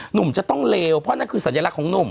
หนุ่มจะต้องเลวเพราะนั่นคือสัญลักษณ์ของหนุ่ม